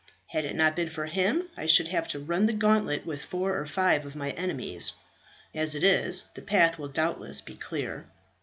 Had it not been for him I should have had to run the gauntlet with four or five of my enemies. As it is, the path will doubtless be clear."